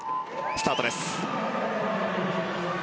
スタートです。